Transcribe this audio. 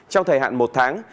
trong thời hạn một tháng